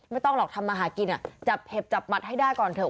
ไม่ต้องหรอกทำมาหากินจับเห็บจับหมัดให้ได้ก่อนเถอ